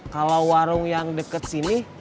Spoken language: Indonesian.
kalo warung yang deket sini